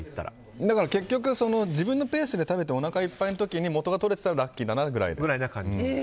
結局、自分のペースで食べておなかいっぱいの時に元が取れてたらラッキーだなって感じです。